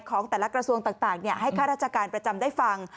ของแต่ละกระทรวงต่างให้ค่าราชการประจำได้ฟัง